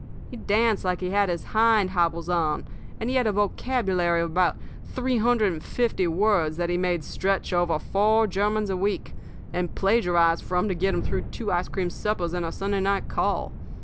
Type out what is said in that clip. He danced like he had hind hobbles on; and he had a vocabulary of about three hundred and fifty words that he made stretch over four germans a week, and plagiarized from to get him through two ice cream suppers and a Sunday night call.